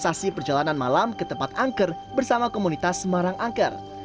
dan mencoba perjalanan malam ke tempat angker bersama komunitas semarang angker